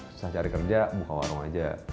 susah cari kerja buka warung aja